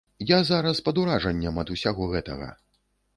Я зараз пад уражаннем ад усяго гэтага.